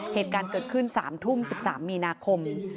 เหตุการณ์เกิดขึ้น๓ทุ่ม๑๓มีนาคม